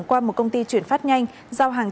qua một công ty chuyển phát nhanh giao hàng